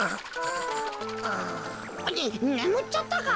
ねむっちゃったか？